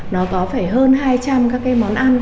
nó có phải hơn hai trăm linh các cái món ăn